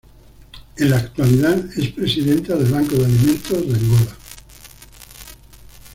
En la actualidad, es presidenta del Banco de Alimentos de Angola.